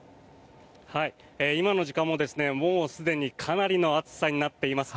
今の時間も、もうすでにかなりの暑さになっています。